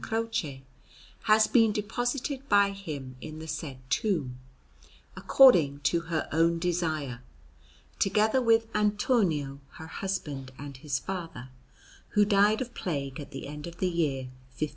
Croce, has been deposited by him in the said tomb, according to her own desire, together with Antonio, her husband and his father, who died of plague at the end of the year 1527.